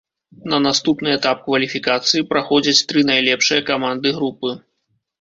На наступны этап кваліфікацыі праходзяць тры найлепшыя каманды групы.